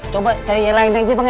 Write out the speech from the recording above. coba cari yang lain lagi bang ya